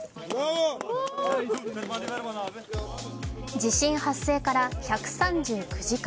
地震発生から１３９時間。